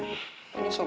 udah nyusul bu